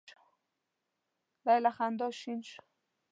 دی له خندا شین شو.